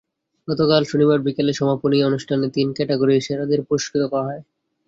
গতকাল শনিবার বিকেলে সমাপনী অনুষ্ঠানে তিন ক্যাটাগরির সেরাদের পুরস্কৃত করা হয়।